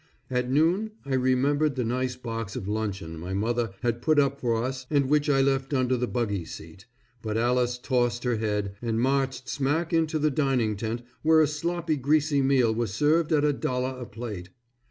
At noon, I remembered the nice box of luncheon my mother had put up for us and which I left under the buggy seat, but Alice tossed her head and marched smack into the dining tent where a sloppy greasy meal was served at a dollar a plate.